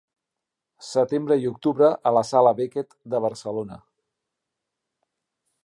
Setembre i octubre a la Sala Beckett de Barcelona.